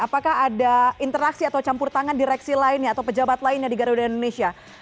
apakah ada interaksi atau campur tangan direksi lainnya atau pejabat lainnya di garuda indonesia